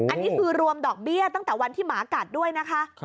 อันนี้คือรวมดอกเบี้ยตั้งแต่วันที่หมากัดด้วยนะคะ